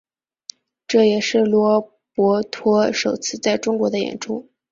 这也是罗伯托首次在中国的演出。